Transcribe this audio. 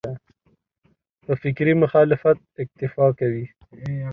په فکري مخالفت اکتفا کوي.